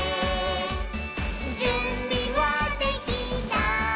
「じゅんびはできた？